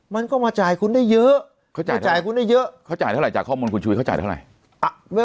มันก็มาจ่ายคุณได้เยอะเขาจ่ายคุณได้เยอะเขาจ่ายเท่าไหจากข้อมูลคุณชุวิตเขาจ่ายเท่าไหร่